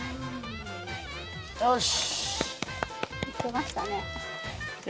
よし！